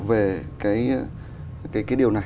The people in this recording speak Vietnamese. về cái điều này